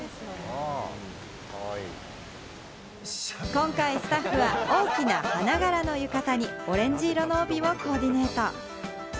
今回スタッフは大きな花柄の浴衣にオレンジ色の帯をコーディネート。